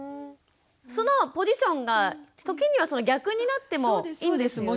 そのポジションが時には逆になってもいいんですよね。